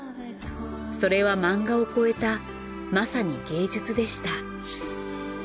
それは漫画を超えたまさに芸術でした。